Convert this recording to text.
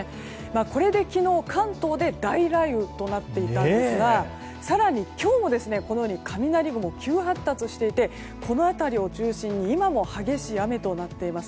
これで昨日、関東で大雷雨となっていたんですが更に今日も雷雲が急発達していてこの辺りを中心に今も激しい雨となっています。